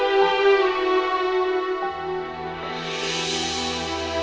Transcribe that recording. sampai jumpa di video selanjutnya